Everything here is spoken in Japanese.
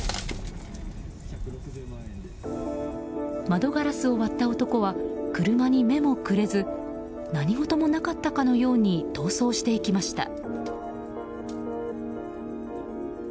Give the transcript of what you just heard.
窓ガラスを割った男は車に目もくれず何事もなかったかのように逃走していきました。